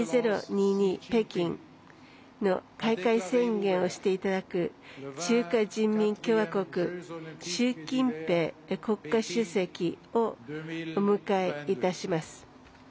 北京の開会宣言をしていただく中華人民共和国習近平国家主席をお迎えいたします。